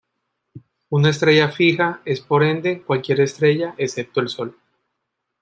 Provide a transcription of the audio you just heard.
Una estrella fija es por ende cualquier estrella excepto el Sol.